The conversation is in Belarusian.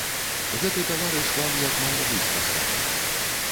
Гэты таварыш вам як мае быць раскажа.